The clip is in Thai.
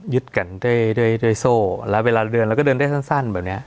กันด้วยโซ่แล้วเวลาเดินเราก็เดินได้สั้นแบบเนี้ย